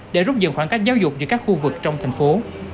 để rút dần khoảng cách giáo dục giữa các khu vực trong thành phố